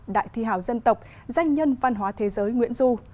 đại thi hào dân tộc danh nhân văn hóa thế giới nguyễn du